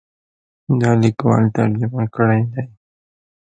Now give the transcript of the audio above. دا لیکوال ترجمه کړی دی.